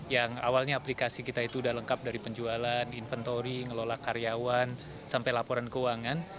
yang awalnya aplikasi kita itu udah lengkap dari penjualan inventory ngelola karyawan sampai laporan keuangan